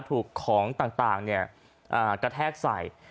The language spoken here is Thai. ถูกของต่างกระแทกใส่